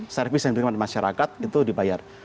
servis yang diberikan masyarakat itu dibayar